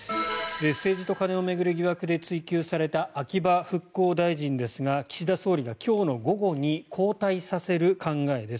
政治と金を巡る疑惑で追及された秋葉復興大臣ですが岸田総理が今日の午後に交代させる考えです。